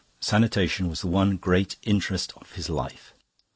Sanitation was the one great interest of his life.